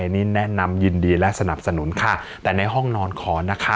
นี่แนะนำยินดีและสนับสนุนค่ะแต่ในห้องนอนขอนะคะ